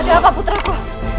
ada apa putraku